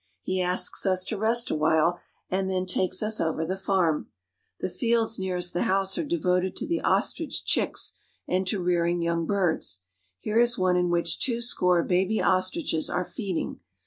He asks us to rest awhile, and then takes us over the farm. The fields nearest the house are devoted to the ostrich chicks and to rearing young birds. Here is one in which two score baby ostriches are feeding.